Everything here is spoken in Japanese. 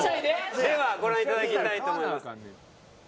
ではご覧いただきたいと思います。